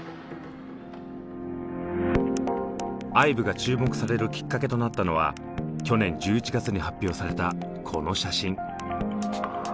ＩＶＥが注目されるきっかけとなったのは去年１１月に発表されたこの写真。